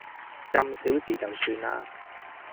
咁小事就算啦